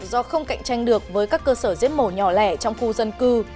do không cạnh tranh được với các cơ sở giết mổ nhỏ lẻ trong khu dân cư